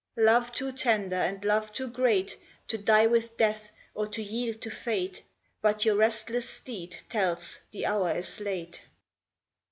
Love too tender and love too great To die with death, or to yield to fate; But your restless steed tells the hour is late.